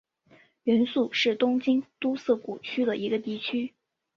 原宿是东京都涩谷区的一个地区。